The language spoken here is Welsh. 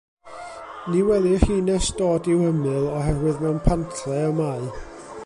Ni welir hi nes dod i'w hymyl, oherwydd mewn pantle y mae.